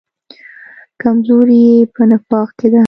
کمزوري یې په نفاق کې ده.